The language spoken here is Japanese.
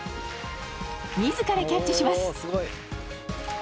自らキャッチします。